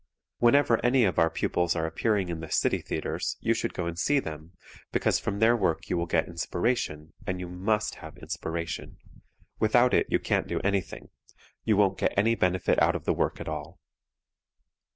Whenever any of our pupils are appearing in the city theatres you should go and see them, because from their work you will get inspiration, and you must have inspiration. Without it you can't do anything; you won't get any benefit out of the work at all.